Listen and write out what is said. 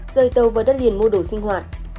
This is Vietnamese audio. rơi tàu vào đất liền mua đồ sinh hoạt